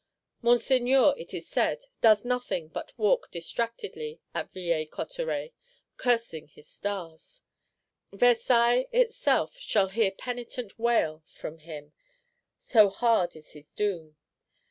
Monseigneur, it is said, does nothing but walk distractedly, at Villers Cotterets; cursing his stars. Versailles itself shall hear penitent wail from him, so hard is his doom.